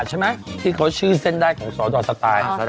ใช่ไหมที่เขาชื่อเส้นด้ายของสตสต